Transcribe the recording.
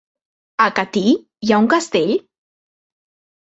A Catí hi ha un castell?